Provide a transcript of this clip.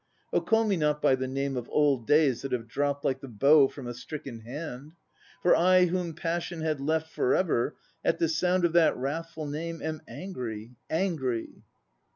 Oh call me not by the name Of old days that have dropped Like the bow from a stricken hand! For I whom passion Had left for ever At the sound of that wrathful name Am angry, angry."